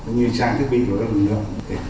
như trang thiết bị của các lực lượng